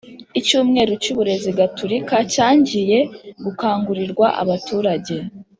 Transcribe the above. icyumweru cy’uburezi gatolika cyangiye gukangurirw abaturage